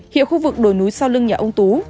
hiện khu vực đồi núi sau lưng nhà ông tú